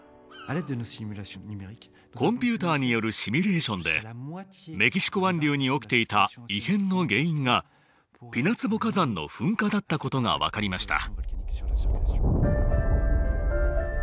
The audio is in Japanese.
コンピューターによるシミュレーションでメキシコ湾流に起きていた異変の原因がピナツボ火山の噴火だったことが分かりました。